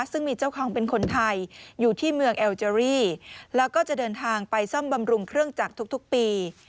ซึ่งมีเจ้าของเป็นคนไทยอยู่ที่เมืองเอลเจอรี่แล้วก็จะเดินทางไปซ่อมบำรุงเครื่องจักรทุกปี